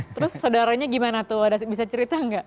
terus saudaranya gimana tuh ada bisa cerita nggak